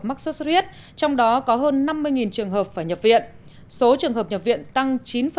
mắc xuất suyết trong đó có hơn năm mươi trường hợp phải nhập viện số trường hợp nhập viện tăng chín bảy